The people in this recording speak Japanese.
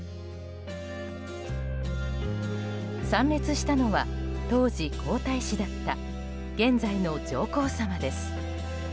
参列したのは当時皇太子だった現在の上皇さまです。